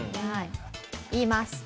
言います。